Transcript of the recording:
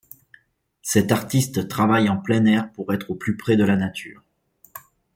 Cet artiste travaille en plein air pour être au plus près de la nature.